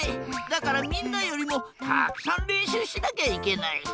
だからみんなよりもたくさんれんしゅうしなきゃいけない。